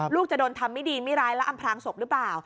จะโดนทำไม่ดีไม่ร้ายและอำพลางศพหรือเปล่า